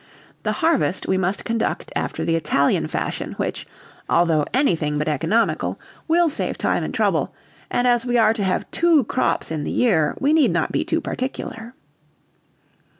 The harvest we must conduct after the Italian fashion, which, although anything but economical, will save time and trouble, and as we are to have two crops in the year, we need not be too particular."